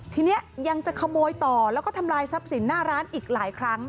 ทีนี้ยังจะขโมยต่อแล้วก็ทำลายทรัพย์สินหน้าร้านอีกหลายครั้ง